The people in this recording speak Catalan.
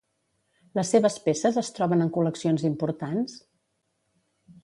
Les seves peces es troben en col·leccions importants?